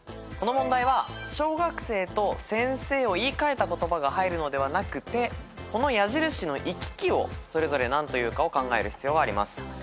この問題は小学生と先生を言い換えた言葉が入るのではなくてこの矢印の行き来をそれぞれ何と言うかを考える必要があります。